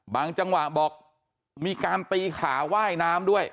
บางจังหวะบอกมีการปีขาไหว้น้ำด้วย